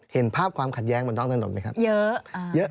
เห็นภาพความขัดแย้งบนท้องถนนไหมครับเยอะ